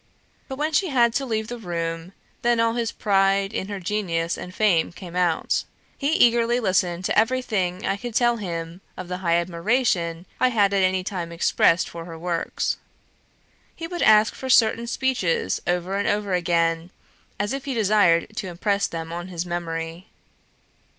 But when she had to leave the room, then all his pride in her genius and fame came out. He eagerly listened to everything I could tell him of the high admiration I had at any time heard expressed for her works. He would ask for certain speeches over and over again, as if he desired to impress them on his memory.